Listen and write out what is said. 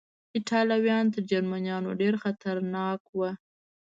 ایټالویان تر جرمنیانو ډېر خطرناک و.